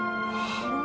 ああ